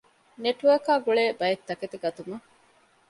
ނެޓްވާރކާގުޅޭ ބައެއްތަކެތި ގަތުމަށް